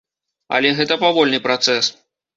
Але гэта павольны працэс.